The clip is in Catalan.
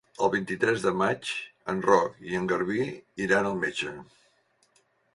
El vint-i-tres de maig en Roc i en Garbí iran al metge.